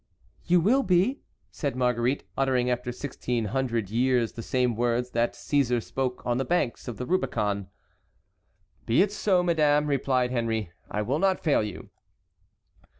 "You will be," said Marguerite, uttering after sixteen hundred years the same words that Cæsar spoke on the banks of the Rubicon. "Be it so, madame," replied Henry; "I will not fail you."